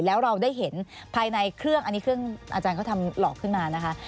แล้วเราได้เห็นภายในเครื่องอันนี้เครื่องอาจารย์เขาทำหลอกขึ้นมานะคะ